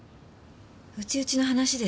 内々の話です。